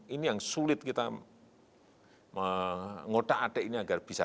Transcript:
ini yang sulit kita mengotak atik ini agar bisa